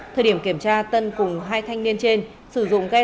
thời điểm kiểm tra tân cùng hai thanh niên trên sử dụng ghe sắt không gắn biển số đăng ký